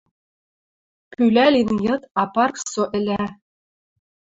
Пӱлӓ лин йыд, а парк со ӹлӓ.